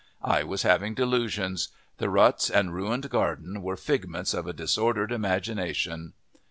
I was having delusions. The ruts and ruined gardens were figments of a disordered imagination.